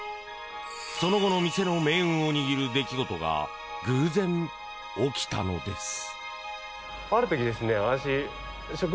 その後の店の命運を握る出来事が偶然、起きたのです。